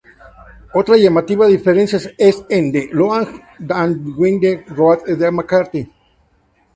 Otra llamativa diferencia es en "The Long and Winding Road" de McCartney.